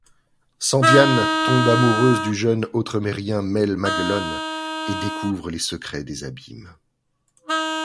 Sandiane, tombe amoureuse du jeune Autremerien Mel Maguelonne et découvre les secrets des Abîmes.